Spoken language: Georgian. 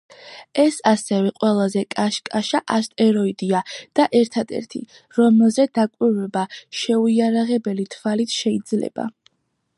ეს ასევე ყველაზე კაშკაშა ასტეროიდია და ერთადერთი, რომელზე დაკვირვება შეუიარაღებელი თვალით შეიძლება.